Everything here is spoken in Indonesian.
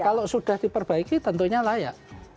kalau sudah diperbaiki tentunya layak